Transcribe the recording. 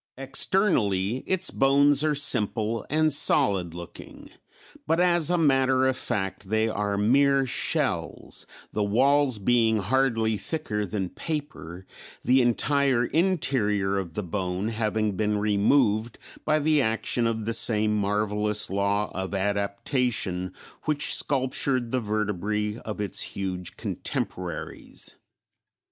Externally its bones are simple and solid looking, but as a matter of fact they are mere shells, the walls being hardly thicker than paper, the entire interior of the bone having been removed by the action of the same marvelous law of adaptation which sculptured the vertebræ of its huge contemporaries.